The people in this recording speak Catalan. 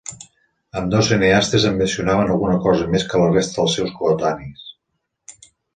Ambdós cineastes ambicionaven alguna cosa més que la resta dels seus coetanis.